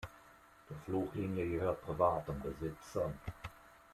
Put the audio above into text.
Die Fluglinie gehört privaten Besitzern.